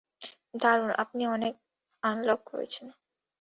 দারুণ, আপনি আনলক করেছেন!